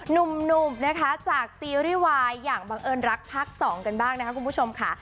หนุ่มนะคะจากซีรีส์วายอย่างบังเอิญรักภาค๒กันบ้างนะคะคุณผู้ชมค่ะ